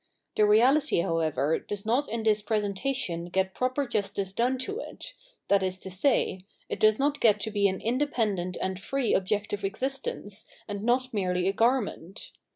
The reality, however, does not in this presentation get proper justice done to it, that is to say, it does not get to be an independent and free objective existence and not merely a garment.